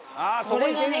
これがね